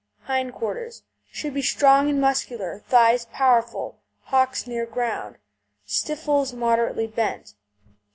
HIND QUARTERS Should be strong and muscular, thighs powerful, hocks near ground, stifles moderately bent.